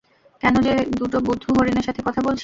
কেন যে দুটো বুদ্ধু হরিণের সাথে কথা বলছি?